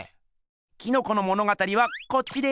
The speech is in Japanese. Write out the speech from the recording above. キノコの物語はこっちです。